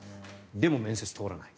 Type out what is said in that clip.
でも、面接、通らない。